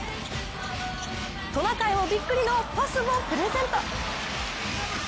トナカイもびっくりのパスをプレゼント。